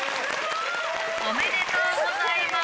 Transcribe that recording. おめでとうございます。